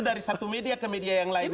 dari satu media ke media yang lainnya